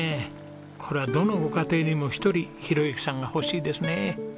これはどのご家庭にも一人宏幸さんが欲しいですね。